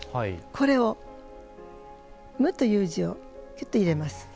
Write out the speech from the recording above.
これをムという字をキュッと入れます。